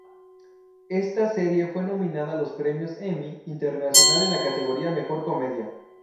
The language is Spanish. Esta serie fue nominada a los Premios Emmy Internacional en la categoría Mejor comedia.